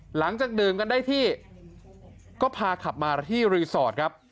หลังจากดื่มกันได้ที่ก็พาขับมาที่รีสอร์ทครับ